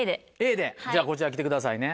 じゃあこちらに来てくださいね。